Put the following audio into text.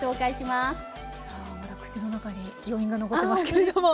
まだ口の中に余韻が残ってますけれども。